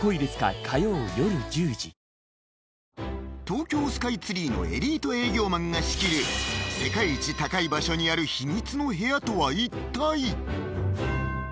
東京スカイツリーのエリート営業マンが仕切る世界一高い場所にある秘密の部屋とは一体？